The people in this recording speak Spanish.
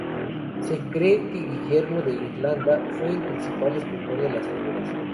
Se cree que Guillermo de Irlanda fue el principal escultor de las figuras.